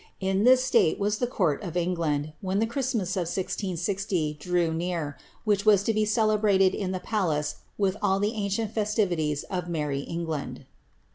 In this sUite was the court of England, when the Christmas of 1 660 drew near, which was to be celebrated in the palace with all the ancient festi vities of merry England.'